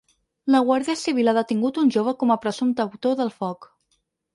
La guàrdia civil ha detingut un jove com a presumpte autor del foc.